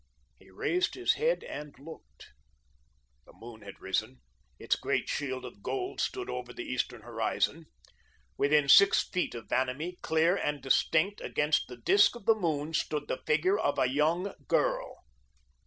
He raised his head and looked. The moon had risen. Its great shield of gold stood over the eastern horizon. Within six feet of Vanamee, clear and distinct, against the disk of the moon, stood the figure of a young girl.